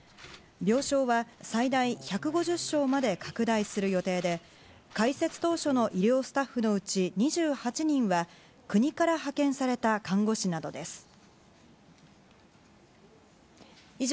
病床は最大１５０床まで拡大する予定で開設当初の医療スタッフのうち２８人は国から派遣された看護師などです。